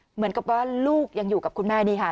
เหมือนกับว่าลูกยังอยู่กับคุณแม่นี่ค่ะ